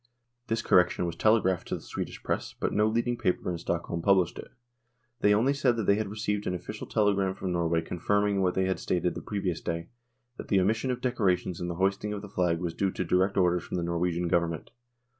This correction was telegraphed to the Swedish Press, but no leading paper in Stock holm published it. They only said that they had received an official telegram from Norway confirming what they had stated the previous day, that the omission of decorations and the hoisting of the flag was due to direct orders from the Norwegian Govern ment.